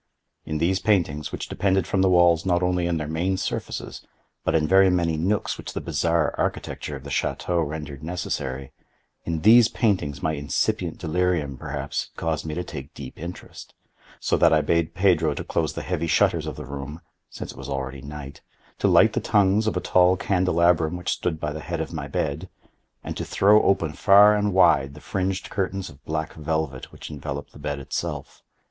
In these paintings, which depended from the walls not only in their main surfaces, but in very many nooks which the bizarre architecture of the château rendered necessary—in these paintings my incipient delirium, perhaps, had caused me to take deep interest; so that I bade Pedro to close the heavy shutters of the room—since it was already night—to light the tongues of a tall candelabrum which stood by the head of my bed, and to throw open far and wide the fringed curtains of black velvet which enveloped the bed itself.